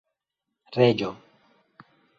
reĝo